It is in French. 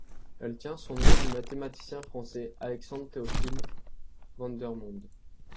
Elle tient son nom du mathématicien français Alexandre-Théophile Vandermonde.